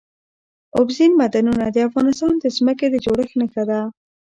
اوبزین معدنونه د افغانستان د ځمکې د جوړښت نښه ده.